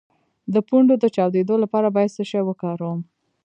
د پوندو د چاودیدو لپاره باید څه شی وکاروم؟